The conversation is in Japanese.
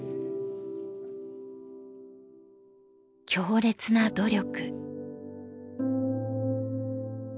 「強烈な努力」。